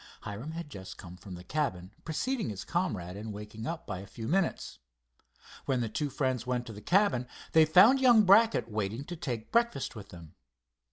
Hiram had just come from the cabin, preceding his comrade in waking up by a few minutes. When the two friends went to the cabin they found young Brackett waiting to take breakfast with them.